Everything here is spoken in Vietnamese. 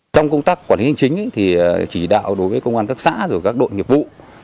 trong công tác quản lý hành chính thì chỉ đạo đối với công an các xã rồi các đội nghiệp vụ